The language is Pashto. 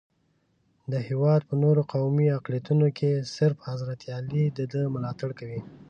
د هېواد په نورو قومي اقلیتونو کې صرف حضرت علي دده ملاتړ کوي.